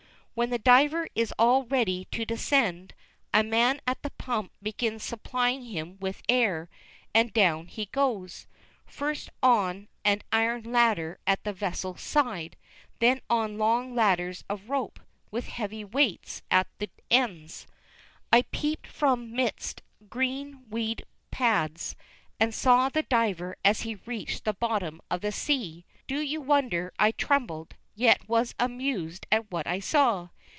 When the diver is all ready to descend, a man at the pump begins supplying him with air, and down he goes, first on an iron ladder at the vessel's side, then on long ladders of rope, with heavy weights at the ends. I peeped from midst great weed pads, and saw the diver as he reached the bottom of the sea. Do you wonder I trembled, yet was amused at what I saw?